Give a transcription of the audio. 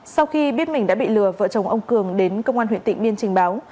sau khi biết mình đã bị lừa vợ chồng ông cường đến công an huyện tịnh biên trình báo